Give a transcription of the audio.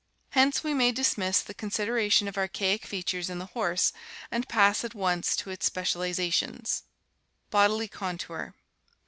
Hence we may dismiss the con sideration of archaic features in the horse and pass at once to its specializations. Bodily Contour.